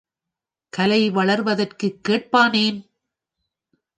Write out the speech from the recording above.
கலை வளர்வதற்குக் கேட்பானேன்?